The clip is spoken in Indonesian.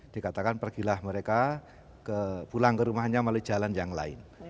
dikatakan pergilah mereka pulang ke rumahnya melalui jalan yang lain